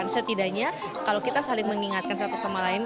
setidaknya kalau kita saling mengingatkan satu sama lain